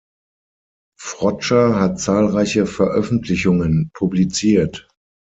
Frotscher hat zahlreiche Veröffentlichungen publiziert.